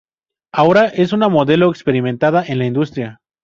Ahora es una modelo experimentada en la industria.